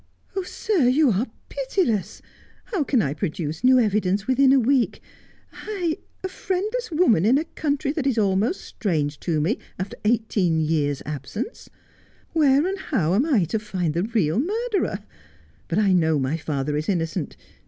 ' Oh, sir, you are pitiless ! How can I produce new evidence within a week — I, a friendless woman in a country that is almost strange to me after eighteen years' absence 1 Where and how am I to find the real murderer ? But I know my father is innocent.